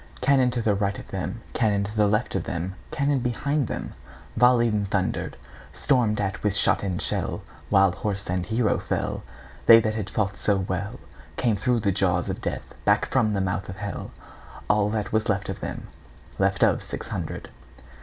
Cannon to right of them, Cannon to left of them, Cannon behind themVolley'd and thunder'd; Storm'd at with shot and shell, While horse and hero fell, They that had fought so wellCame thro' the jaws of Death, Back from the mouth of Hell, All that was left of them, Left of six hundred.